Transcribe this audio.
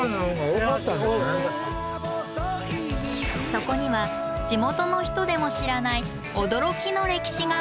そこには地元の人でも知らない驚きの歴史が。